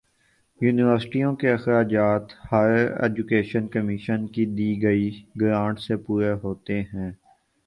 یونیورسٹیوں کے اخراجات ہائیر ایجوکیشن کمیشن کی دی گئی گرانٹ سے پورے ہوتے ہیں